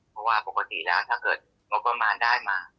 เพราะว่าปกติแล้วถ้าเกิดงบประมาณได้มา